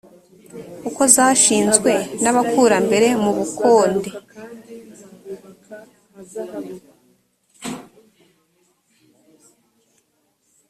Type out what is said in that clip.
uko zashinzwe n’abakurambere mu bukonde